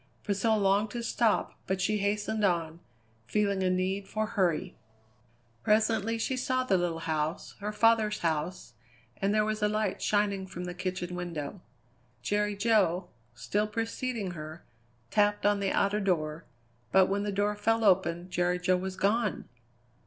Priscilla longed to stop, but she hastened on, feeling a need for hurry. Presently she saw the little house, her father's house, and there was a light shining from the kitchen window. Jerry Jo, still preceding her, tapped on the outer door, but when the door fell open Jerry Jo was gone!